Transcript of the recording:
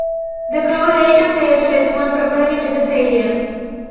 The crew later failed to respond properly to the failure.